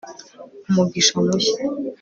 umugisha mushya